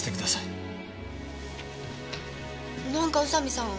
なんか宇佐見さん